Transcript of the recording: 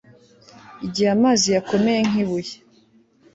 igihe amazi yakomeye nk'ibuye